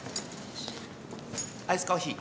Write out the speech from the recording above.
アイスコーヒー。